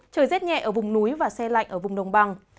trời rét nhẹ ở vùng núi và xe lạnh ở vùng đồng bằng